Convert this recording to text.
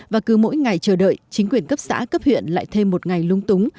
và cứ mỗi ngày chờ đợi chính quyền cấp xã cấp huyện lại thêm một ngày lung túng